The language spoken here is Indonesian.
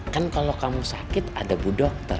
kan kalau kamu sakit ada bu dokter